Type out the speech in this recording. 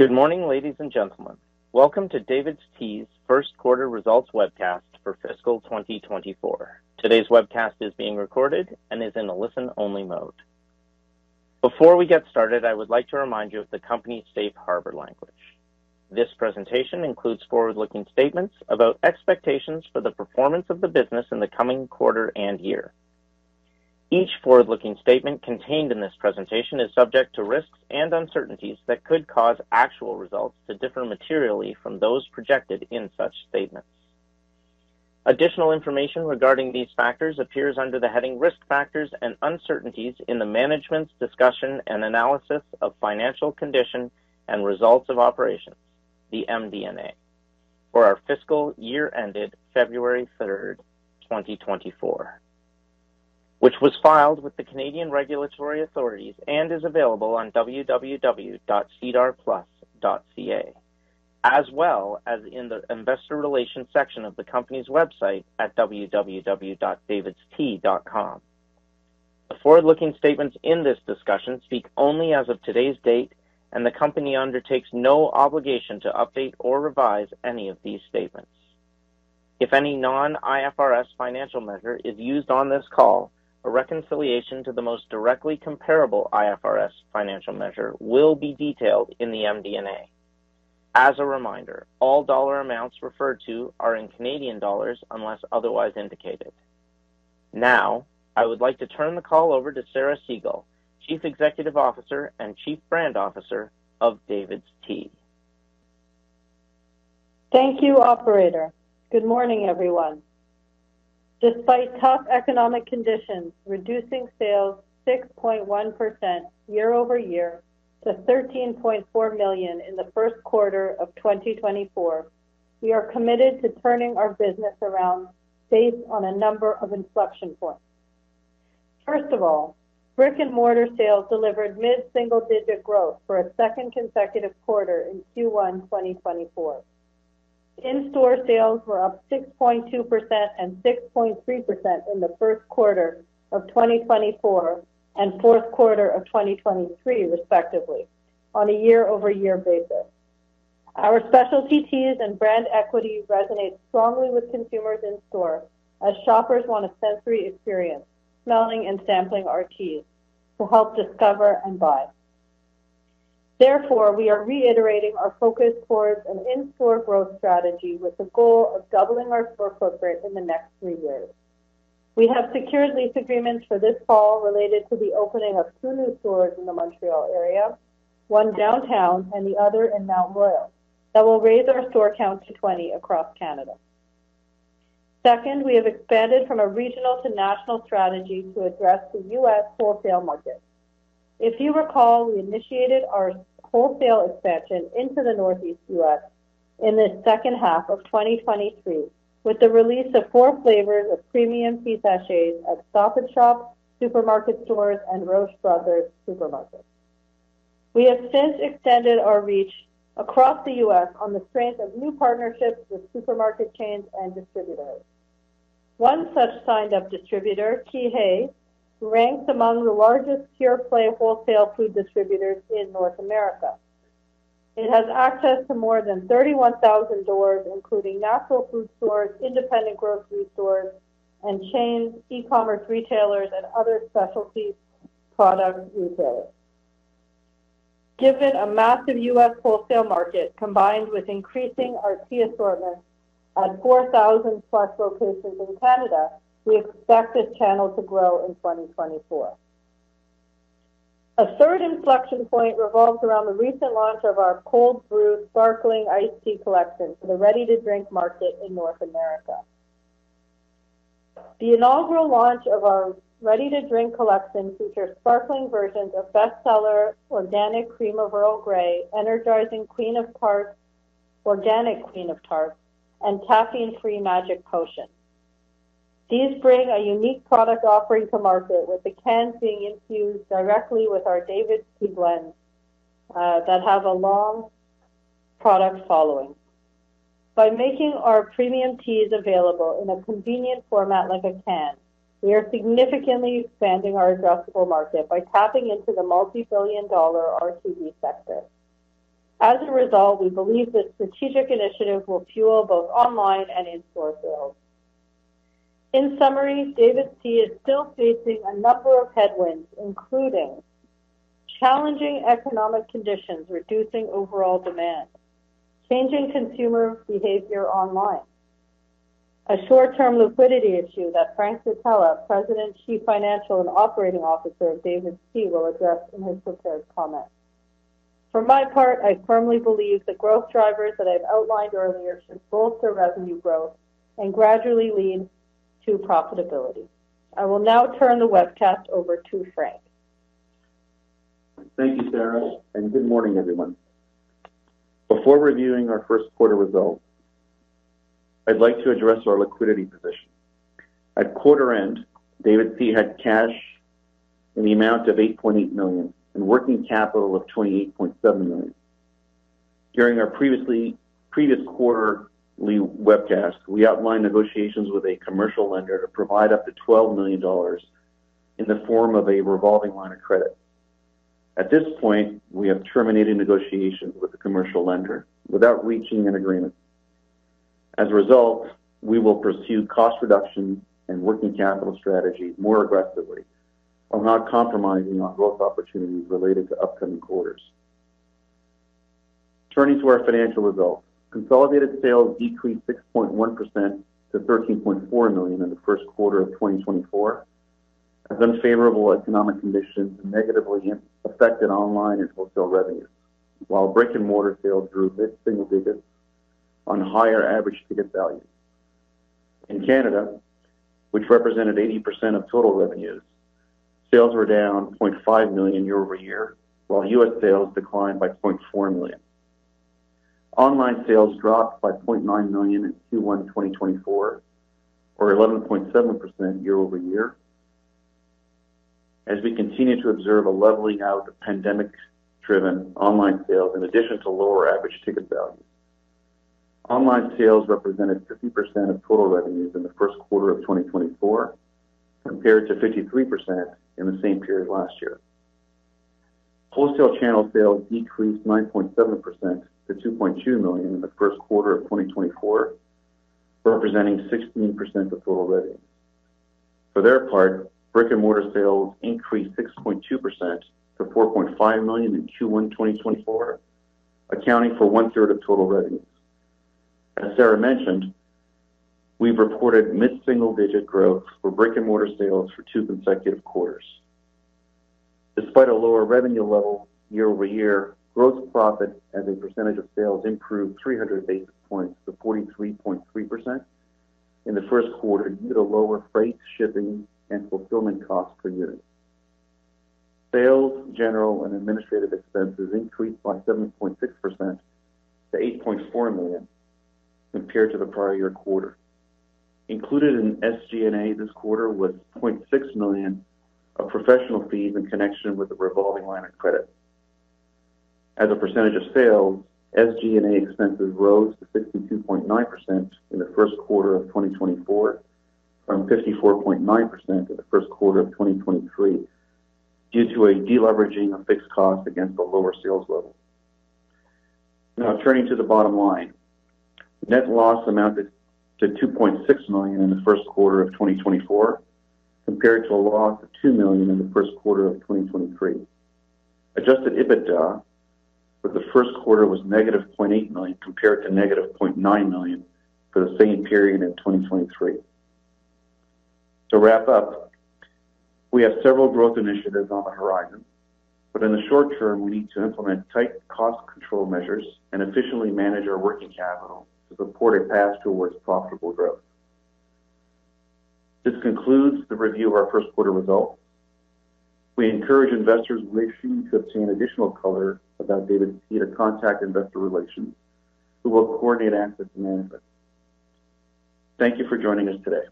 Good morning, ladies and gentlemen. Welcome to DAVIDsTEA's Q1 results webcast for fiscal 2024. Today's webcast is being recorded and is in a listen-only mode. Before we get started, I would like to remind you of the company's safe harbor language. This presentation includes forward-looking statements about expectations for the performance of the business in the coming quarter and year. Each forward-looking statement contained in this presentation is subject to risks and uncertainties that could cause actual results to differ materially from those projected in such statements. Additional information regarding these factors appears under the heading Risk Factors and Uncertainties in the Management's Discussion and Analysis of financial condition and results of operations, the MD&A, for our fiscal year ended February 3, 2024, which was filed with the Canadian regulatory authorities and is available on www.sedarplus.ca, as well as in the investor relations section of the company's website at www.davidstea.com. The forward-looking statements in this discussion speak only as of today's date, and the company undertakes no obligation to update or revise any of these statements. If any non-IFRS financial measure is used on this call, a reconciliation to the most directly comparable IFRS financial measure will be detailed in the MD&A. As a reminder, all dollar amounts referred to are in Canadian dollars unless otherwise indicated. Now, I would like to turn the call over to Sarah Segal, Chief Executive Officer and Chief Brand Officer of DAVIDsTEA. Thank you, operator. Good morning, everyone. Despite tough economic conditions, reducing sales 6.1% year over year to 13.4 million in the Q1 of 2024, we are committed to turning our business around based on a number of inflection points. First of all, brick-and-mortar sales delivered mid-single-digit growth for a second consecutive quarter in Q1 2024. In-store sales were up 6.2% and 6.3% in the Q1 of 2024 and Q4 of 2023, respectively, on a year-over-year basis. Our specialty teas and brand equity resonates strongly with consumers in store as shoppers want a sensory experience, smelling and sampling our teas to help discover and buy. Therefore, we are reiterating our focus towards an in-store growth strategy with the goal of doubling our store footprint in the next three years. We have secured lease agreements for this fall related to the opening of two new stores in the Montreal area, one downtown and the other in Mount Royal, that will raise our store count to 20 across Canada. Second, we have expanded from a regional to national strategy to address the U.S. wholesale market. If you recall, we initiated our wholesale expansion into the Northeast U.S. in the second half of 2023, with the release of four flavors of premium tea sachets at Stop & Shop supermarket stores, and Roche Bros. supermarkets. We have since extended our reach across the U.S. on the strength of new partnerships with supermarket chains and distributors. One such signed-up distributor, KeHE, ranks among the largest pure-play wholesale food distributors in North America. It has access to more than 31,000 doors, including natural food stores, independent grocery stores, and chains, e-commerce retailers, and other specialty product retailers. Given a massive U.S. wholesale market, combined with increasing our tea assortment at 4,000+ locations in Canada, we expect this channel to grow in 2024. A third inflection point revolves around the recent launch of our cold brew sparkling iced tea collection for the ready-to-drink market in North America. The inaugural launch of our ready-to-drink collection features sparkling versions of bestseller Organic Cream of Earl Grey, energizing Queen of Tarts--Organic Queen of Tarts, and caffeine-free Magic Potion. These bring a unique product offering to market, with the cans being infused directly with our DAVIDsTEA blends, that have a long product following. By making our premium teas available in a convenient format like a can, we are significantly expanding our addressable market by tapping into the multi-billion dollar RTD sector. As a result, we believe this strategic initiative will fuel both online and in-store sales. In summary, DAVIDsTEA is still facing a number of headwinds, including challenging economic conditions, reducing overall demand, changing consumer behavior online, a short-term liquidity issue that Frank Zitella, President, Chief Financial and Operating Officer of DAVIDsTEA, will address in his prepared comments. For my part, I firmly believe the growth drivers that I've outlined earlier should bolster revenue growth and gradually lead to profitability. I will now turn the webcast over to Frank. Thank you, Sarah, and good morning, everyone. Before reviewing our Q1 results, I'd like to address our liquidity position. At quarter end, DAVIDsTEA had cash in the amount of 8.8 million and working capital of 28.7 million. During our previous quarterly webcast, we outlined negotiations with a commercial lender to provide up to 12 million dollars in the form of a revolving line of credit. At this point, we have terminated negotiations with the commercial lender without reaching an agreement. As a result, we will pursue cost reduction and working capital strategy more aggressively, while not compromising on growth opportunities related to upcoming quarters. Turning to our financial results. Consolidated sales decreased 6.1% to 13.4 million in the Q1 of 2024, as unfavorable economic conditions negatively affected online and wholesale revenue, while brick-and-mortar sales grew mid-single digits on higher average ticket value. In Canada, which represented 80% of total revenues, sales were down 0.5 million year-over-year, while U.S. sales declined by 0.4 million. Online sales dropped by 0.9 million in Q1 2024, or 11.7% year-over-year, as we continue to observe a leveling out of pandemic-driven online sales in addition to lower average ticket value. Online sales represented 50% of total revenues in the Q1 of 2024, compared to 53% in the same period last year. Wholesale channel sales decreased 9.7% to 2.2 million in the Q1 of 2024, representing 16% of total revenue. For their part, brick-and-mortar sales increased 6.2% to 4.5 million in Q1 2024, accounting for one-third of total revenues. As Sarah mentioned, we've reported mid-single-digit growth for brick-and-mortar sales for 2 consecutive quarters. Despite a lower revenue level year-over-year, gross profit as a percentage of sales improved 300 basis points to 43.3% in the Q1, due to lower freight, shipping, and fulfillment costs per unit. Sales, general, and administrative expenses increased by 7.6% to 8.4 million compared to the prior year quarter. Included in SG&A this quarter was 0.6 million of professional fees in connection with the revolving line of credit. As a percentage of sales, SG&A expenses rose to 62.9% in the Q1 of 2024, from 54.9% in the Q1 of 2023, due to a deleveraging of fixed costs against a lower sales level. Now, turning to the bottom line. Net loss amounted to 2.6 million in the Q1 of 2024, compared to a loss of 2 million in the Q1 of 2023. Adjusted EBITDA for the Q1 was negative 0.8 million, compared to negative 0.9 million for the same period in 2023. To wrap up, we have several growth initiatives on the horizon, but in the short term, we need to implement tight cost control measures and efficiently manage our working capital to support a path towards profitable growth. This concludes the review of our Q1 results. We encourage investors wishing to obtain additional color about DAVIDsTEA to contact investor relations, who will coordinate access to management. Thank you for joining us today.